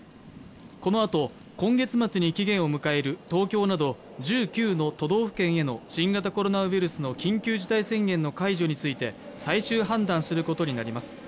このあと、今月末に期限を迎える東京など１９の都道府県への新型コロナウイルスの緊急事態宣言の解除について最終判断することになります。